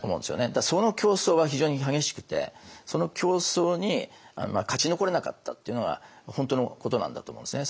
だからその競争は非常に激しくてその競争に勝ち残れなかったっていうのは本当のことなんだと思うんですね。